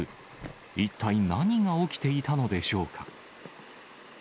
一体、何が起きていたのでしょうか。